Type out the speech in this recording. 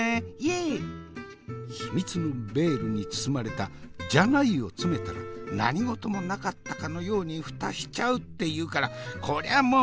秘密のベールに包まれた「じゃない」を詰めたら何事もなかったかのように蓋しちゃうっていうからこりゃもう。